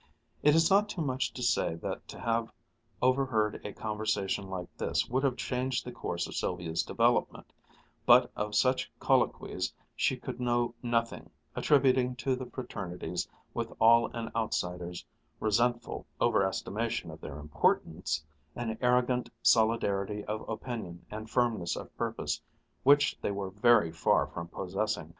It is not too much to say that to have overheard a conversation like this would have changed the course of Sylvia's development, but of such colloquies she could know nothing, attributing to the fraternities, with all an outsider's resentful overestimation of their importance, an arrogant solidarity of opinion and firmness of purpose which they were very far from possessing.